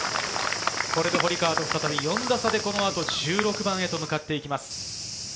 これで堀川と再び４打差で、この後、１６番に向かっていきます。